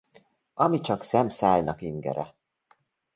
Ami csak szem-szájnak ingere.